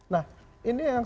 nah ini yang